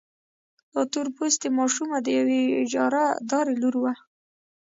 دا تور پوستې ماشومه د يوې اجارهدارې لور وه.